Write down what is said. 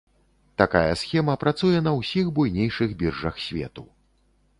Такая схема працуе на усіх буйнейшых біржах свету.